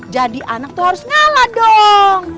jadi anak tuh harus ngalah dong